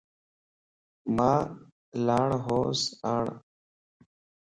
مان لاڻھونس آڻ